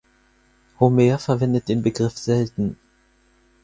Homer verwendet den Begriff selten.